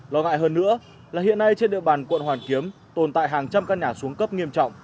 lo ngại hơn nữa là hiện nay trên địa bàn quận hoàn kiếm tồn tại hàng trăm căn nhà xuống cấp nghiêm trọng